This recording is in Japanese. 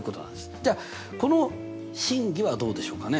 じゃあこの真偽はどうでしょうかね？